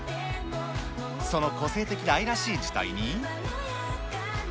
その個性的な愛らしい字体に。